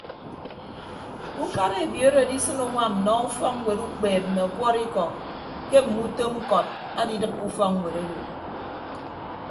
Ke ukara ebiooro adisịn uñwam nnọọ ufọkñwet ukpeep mme ọkwọrọikọ ke mme utom ñkọt adidịppe ufọkñwet odo.